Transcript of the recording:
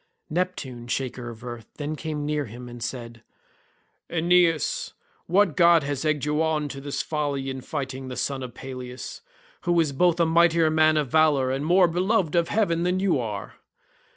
Neptune, shaker of the earth, then came near to him and said, "Aeneas, what god has egged you on to this folly in fighting the son of Peleus, who is both a mightier man of valour and more beloved of heaven than you are?